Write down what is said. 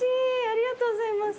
ありがとうございます。